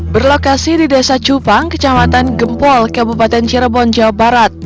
berlokasi di desa cupang kecamatan gempol kabupaten cirebon jawa barat